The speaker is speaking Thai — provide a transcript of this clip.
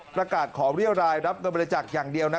ประกาศขอเรียรายรับเงินบริจาคอย่างเดียว